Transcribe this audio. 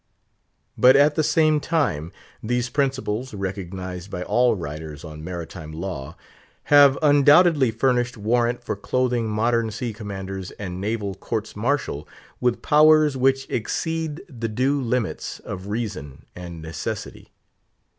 But, at the same time, these principles—recognised by all writers on maritime law—have undoubtedly furnished warrant for clothing modern sea commanders and naval courts martial with powers which exceed the due limits of reason and necessity.